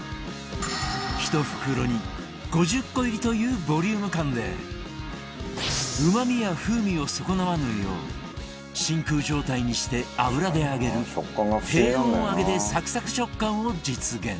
１袋に５０個入りというボリューム感でうまみや風味を損なわぬよう真空状態にして油で揚げる低温揚げでサクサク食感を実現